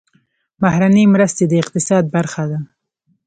بهرنۍ مرستې د اقتصاد برخه ده